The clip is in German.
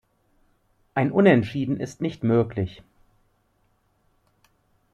Ein Unentschieden ist nicht möglich.